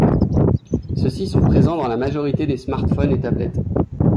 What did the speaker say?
Ceux-ci sont présents dans la majorité des smartphones et tablettes.